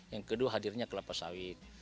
yang kedua hadirnya kelapa sawit